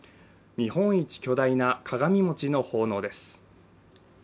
日本一巨大な鏡餅の奉納です。